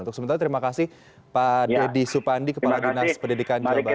untuk sementara terima kasih pak deddy supandi kepala dinas pendidikan jawa barat